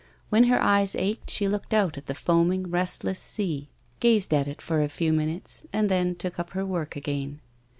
When her eyes ached she looked out at the foamy, restless sea, gazed at it for a few minutes, and then took up her work again.